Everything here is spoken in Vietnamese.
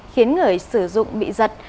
khiến người sử dụng bị giật